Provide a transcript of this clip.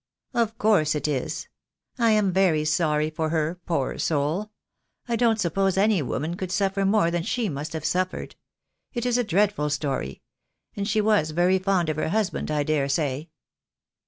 "Of course it is. I am very sorry for her, poor soul. I don't suppose any woman could suffer more than she must have suffered. It is a dreadful story. And she was very fond of her husband, I daresay."